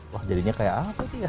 wah jadinya kayak apa sih ya